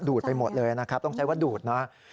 ดไปหมดเลยนะครับต้องใช้ว่าดูดนะ